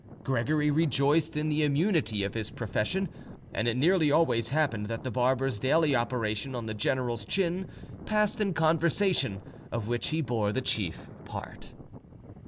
Gregory rejoiced in the immunity of his profession, and it nearly always happened that the barber's daily operation on the general's chin passed in conversation, of which he bore the chief part.